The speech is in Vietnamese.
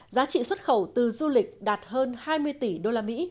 giá trị xuất khẩu từ du lịch đạt hơn hai mươi tỷ usd